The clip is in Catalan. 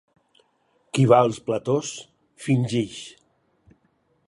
Qui va als platós, fingeix.